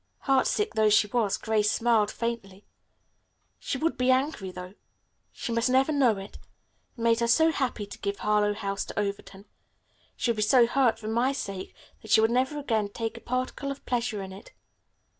Heartsick though she was, Grace smiled faintly. "She would be angry, though. She must never know it. It made her so happy to give Harlowe House to Overton. She would be so hurt, for my sake, that she would never again take a particle of pleasure in it.